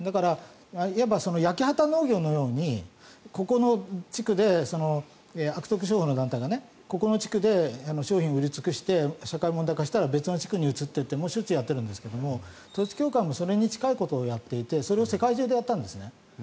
いわば焼け畑農業のように悪徳商法の団体がここの地区で商品を売り尽くして社会問題化したら別の地区に移ってやってるんですけど統一教会もそれに近いことをやっていてそれを世界中でやったんです。